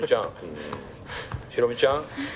ヒロミちゃん？